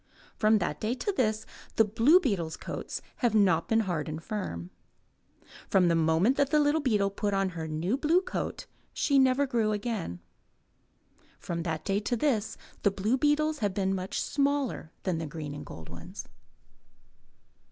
From that day to this the blue beetles' coats have not been hard and firm. From the moment that the little beetle put on her new blue coat she never grew again. From that day to this the blue beetles have been much smaller than the green and gold ones.